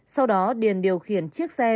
sau đó điền điều khiển chiếc xe